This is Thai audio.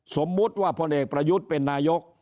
สมมุติว่าพลเอกประยุทธ์เป็นนายก